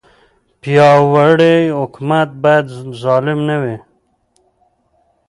پیاوړی حکومت باید ظالم نه وي.